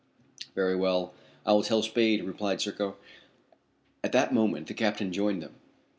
"Very well, I will tell Spade," replied Serko. At that moment the captain joined them.